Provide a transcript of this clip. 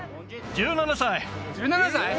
１７歳？